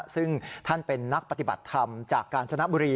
ซึ่งท่านเป็นนักปฏิบัติธรรมจากกาญจนบุรี